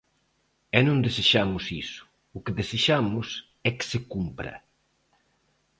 E non desexamos iso, o que desexamos é que se cumpra.